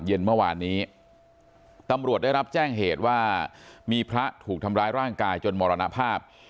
เย็นเมื่อวานนี้ตำรวจได้รับแจ้งเหตุว่ามีพระถูกทำร้ายร่างกายจนมรณภาพ